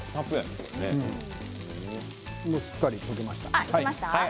すっかり溶けました。